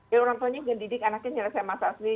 ya orang tuanya mendidik anaknya menyelesaikan masalah sendiri